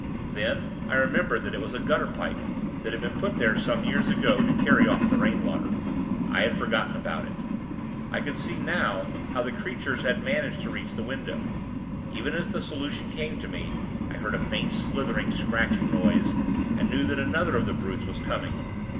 Then, I remembered that it was a gutter pipe, that had been put there some years ago, to carry off the rainwater. I had forgotten about it. I could see, now, how the creatures had managed to reach the window. Even as the solution came to me, I heard a faint slithering, scratching noise, and knew that another of the brutes was coming.